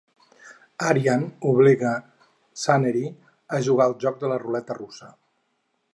Aryan obliga Sunehri a jugar al joc de la ruleta russa.